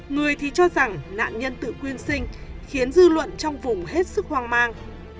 người thì cho rằng nạn nhân tự quyên sinh khiến dư luận trong vùng hết sức hoang mang